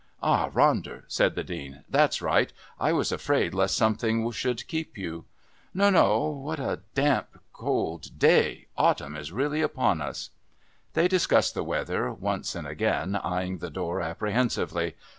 "Ah, Ronder," said the Dean, "that's right. I was afraid lest something should keep you." "No no what a cold damp day! Autumn is really upon us." They discussed the weather, once and again eyeing the door apprehensively.